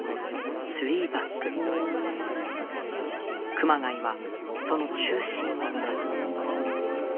熊谷はその中心を担う。